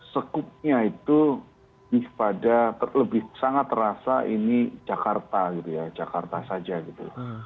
sekupnya itu lebih pada lebih sangat terasa ini jakarta gitu ya jakarta saja gitu